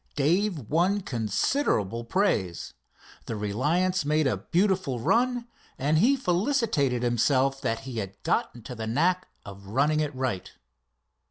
Dave won considerable praise. The Reliance made a beautiful run, and he felicitated himself that he had got onto the knack of running it right.